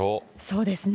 そうですね。